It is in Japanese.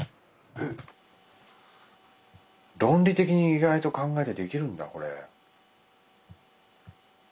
論理的に意外と考えてできるんだこれ。